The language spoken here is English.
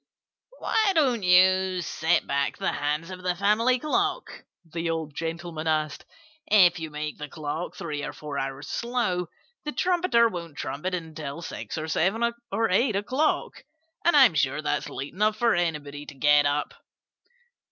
"Why don't you set back the hands of the family clock?" the old gentleman asked. "If you make the clock three or four hours slow the trumpeter won't trumpet until six or seven or eight o'clock. And I'm sure that's late enough for anybody to get up."